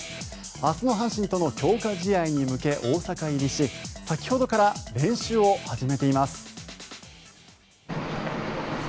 明日の阪神との強化試合に向け大阪入りし先ほどから練習を始めています。